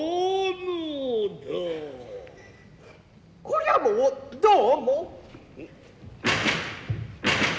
こりゃもうどうも。